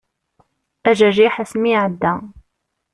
Ajajiḥ ass mi iɛedda.